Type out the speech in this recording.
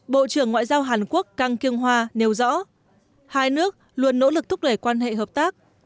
bộ trưởng ngoại giao hàn quốc kang kyung hoa nêu rõ hai nước luôn nỗ lực thúc đẩy quan hệ hợp tác